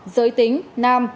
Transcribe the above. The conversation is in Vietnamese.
giới tính nam